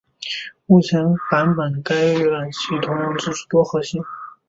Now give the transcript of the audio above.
目前版本该预览器同样支持多核心。